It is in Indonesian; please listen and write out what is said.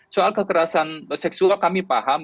soal kekerasan seksual kami paham